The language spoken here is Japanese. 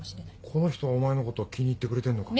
この人はお前のこと気に入ってくれてんのか？